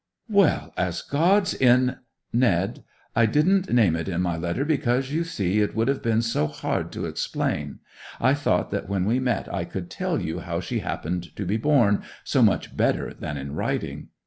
'Well—as God's in—' 'Ned, I didn't name it in my letter, because, you see, it would have been so hard to explain! I thought that when we met I could tell you how she happened to be born, so much better than in writing!